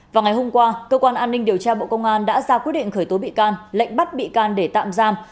vào ngày hôm qua cơ quan an ninh điều tra bộ công an đã ra quyết định khởi tố bị can lệnh bắt bị can để tạm giam